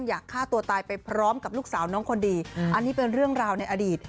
อยากฆ่าตัวตายไปพร้อมกับลูกสาวน้องคนดีอันนี้เป็นเรื่องราวในอดีต